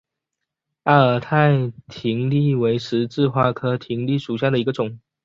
阿尔泰葶苈为十字花科葶苈属下的一个种。